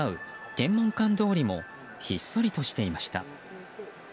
天文館通りもひっそりとしていました。